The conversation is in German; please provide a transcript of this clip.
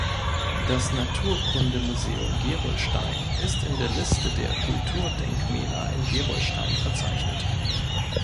Das Naturkundemuseum Gerolstein ist in der Liste der Kulturdenkmäler in Gerolstein verzeichnet.